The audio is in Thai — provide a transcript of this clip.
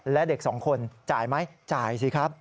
และเด็กสองคนจ่ายไหมจ่ายสิครับ